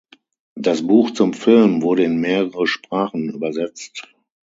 Das Buch zum Film wurde in mehrere Sprachen übersetzt.